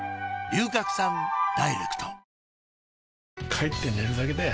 帰って寝るだけだよ